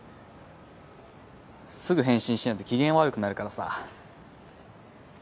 すぐ返信しないと機嫌悪くなるからさぁ。